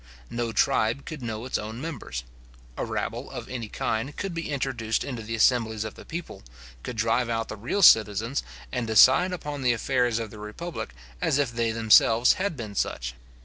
No tribe could know its own members. A rabble of any kind could be introduced into the assemblies of the people, could drive out the real citizens, and decide upon the affairs of the republic, as if they themselves had been such.